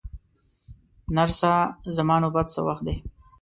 نرسه، زما نوبت څه وخت دی؟